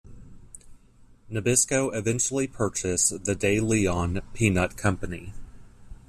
Nabisco eventually purchased the De Leon Peanut Company.